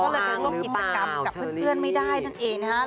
เดี๋ยวแล้วเก็บทรงกิจกรรมกับเพื่อนไม่ได้นั่นเองนะ